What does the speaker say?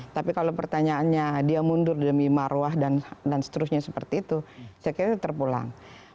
tapi kalau pertanyaannya dia mundur demi marwah dan seterusnya seperti itu saya kira terpulang